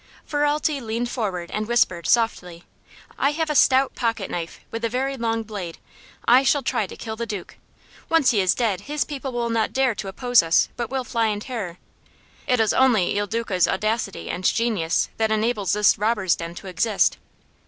Ferralti leaned forward and whispered, softly: "I have a stout pocket knife, with a very long blade. I shall try to kill the Duke. Once he is dead his people will not dare to oppose us, but will fly in terror. It is only Il Duca's audacity and genius that enables this robber's den to exist."